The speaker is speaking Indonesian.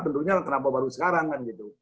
tentunya kenapa baru sekarang kan gitu